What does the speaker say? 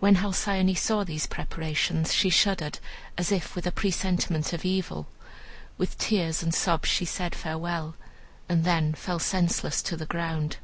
When Halcyone saw these preparations she shuddered, as if with a presentiment of evil. With tears and sobs she said farewell, and then fell senseless to the ground.